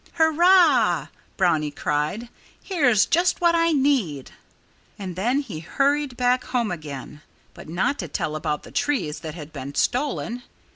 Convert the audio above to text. "Hurrah!" Brownie cried. "Here's just what I need!" And then he hurried back home again but not to tell about the trees that had been stolen.